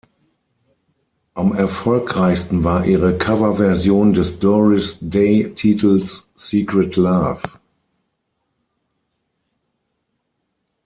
Am erfolgreichsten war ihre Coverversion des Doris Day-Titels "Secret Love".